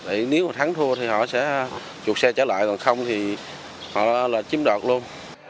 để nếu mà thắng thua thì họ sẽ chuột xe trả lại còn không thì họ là chiếm đoạt luôn